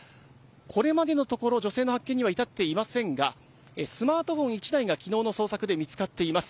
これまでのところ女性の発見には至っていませんがスマートフォン１台が昨日の捜索で見つかっています。